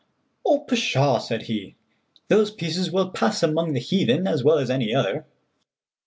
"Oh, pshaw," said he, "those pieces will pass among the heathen as well as any other."